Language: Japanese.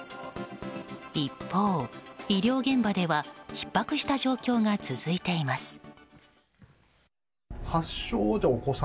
一方、医療現場ではひっ迫した状況が続いています。